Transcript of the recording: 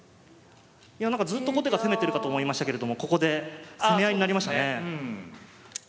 ずっと後手が攻めてるかと思いましたけれどもここで攻め合いになりましたね。